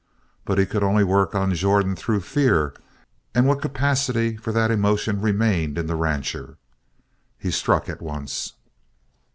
But he could only work on Jordan through fear and what capacity for that emotion remained in the rancher. He struck at once.